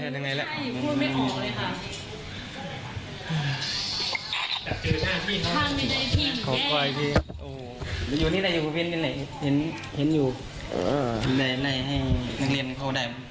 แล้วก็คุณหมอซ่อมเส้นเลือดใหญ่ให้ด้วย